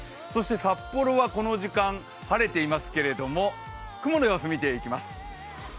札幌はこの時間、晴れていますけれども、雲の様子、見ていきます。